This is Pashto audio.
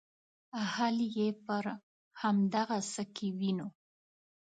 حل یې پر همدغه څه کې وینو.